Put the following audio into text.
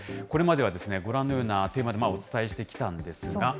これまでは、ご覧のようなテーマでお伝えしてきたんですが。